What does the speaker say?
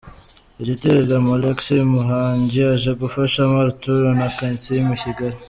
IgitaramoAlex Muhangi aje gufashamo Arthur na Kansiime i Kigali.